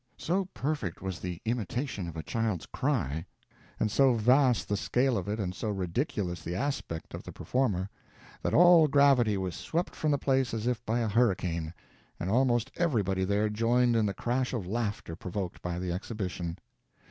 So perfect was that imitation of a child's cry, and so vast the scale of it and so ridiculous the aspect of the performer, that all gravity was swept from the place as if by a hurricane, and almost everybody there joined in the crash of laughter provoked by the exhibition.